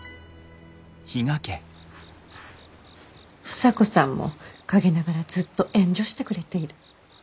房子さんも陰ながらずっと援助してくれている。